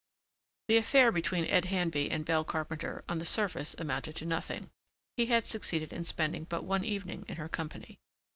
The affair between Ed Handby and Belle Carpenter on the surface amounted to nothing. He had succeeded in spending but one evening in her company.